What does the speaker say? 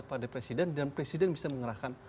pada presiden dan presiden bisa mengerahkan